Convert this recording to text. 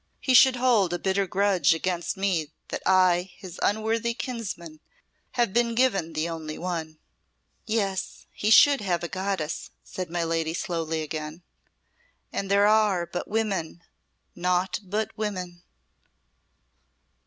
"He should hold a bitter grudge against me, that I, his unworthy kinsman, have been given the only one." "Yes, he should have a goddess," said my lady slowly again; "and there are but women, naught but women."